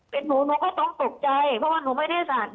เป็นหนูหนูก็ต้องตกใจเพราะว่าหนูไม่ได้สั่น